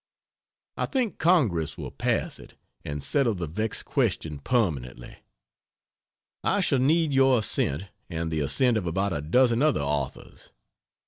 I think Congress will pass it and settle the vexed question permanently. I shall need your assent and the assent of about a dozen other authors.